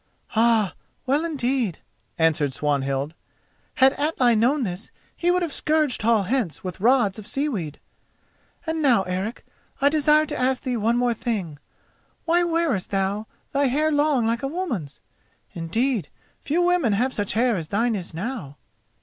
"Ay, well indeed," answered Swanhild. "Had Atli known this he would have scourged Hall hence with rods of seaweed. And now, Eric, I desire to ask thee one more thing: why wearest thou thy hair long like a woman's? Indeed, few women have such hair as thine is now."